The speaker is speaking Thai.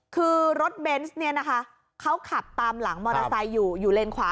คือรถเบนส์เนี่ยนะคะเขาขับตามหลังมอเตอร์ไซค์อยู่อยู่เลนขวา